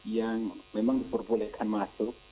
yang memang diperbolehkan masuk